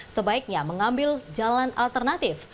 sebaiknya mengambil jalan alternatif